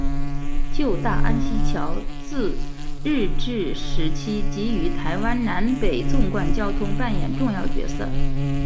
旧大安溪桥自日治时期即于台湾南北纵贯交通扮演重要角色。